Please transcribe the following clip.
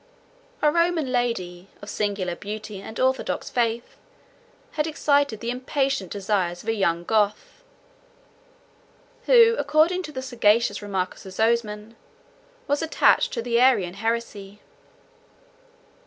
102 A Roman lady, of singular beauty and orthodox faith, had excited the impatient desires of a young Goth, who, according to the sagacious remark of Sozomen, was attached to the Arian heresy.